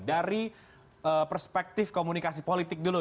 dari perspektif komunikasi politik dulu